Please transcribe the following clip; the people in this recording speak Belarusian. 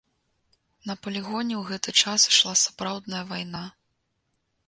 На палігоне ў гэты час ішла сапраўдная вайна.